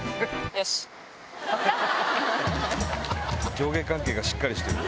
上下関係がしっかりしてる。